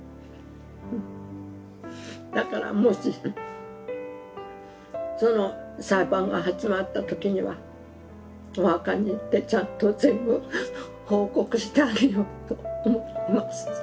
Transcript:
だからもしその裁判が始まった時にはお墓に行ってちゃんと全部報告してあげようと思ってます。